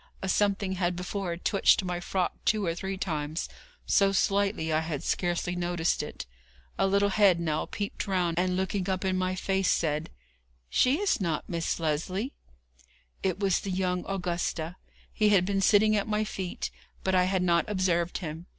A something had before twitched my frock two or three times, so slightly I had scarcely noticed it. A little head now peeped round, and looking up in my face, said: 'She is not Miss Lesley!' It was the young Augustus. He had been sitting at my feet, but I had not observed him.